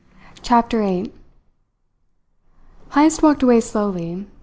CHAPTER EIGHT Heyst walked away slowly.